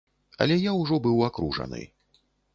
Але я ўжо быў акружаны.